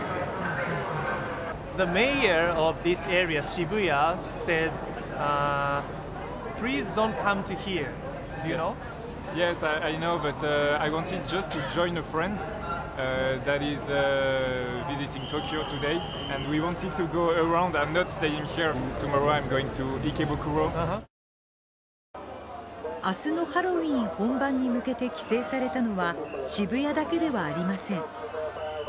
渋谷にいた外国人は明日のハロウィーン本番に向けて規制されたのは渋谷だけではありません。